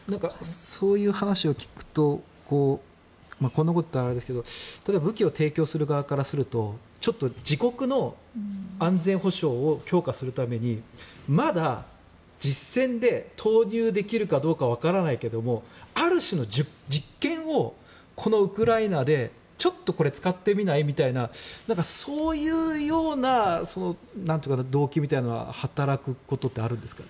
そういう話を聞くとこんなことを言ったらあれですが例えば、武器を提供する側からすると自国の安全保障を強化するためにまだ実戦で投入できるかどうかわからないけれどある種の実験をこのウクライナでちょっとこれ使ってみない？みたいなそういうような動機みたいなのが働くことってあるんですか？